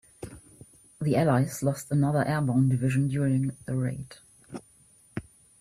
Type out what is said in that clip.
The allies lost another airborne division during the raid.